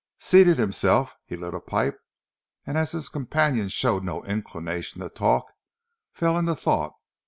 Seating himself, he lit a pipe, and as his companion showed no inclination to talk, fell into thought.